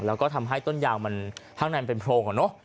แล้วก็ทำให้ต้นยางมันข้างในมันเป็นโพรงอะเนาะ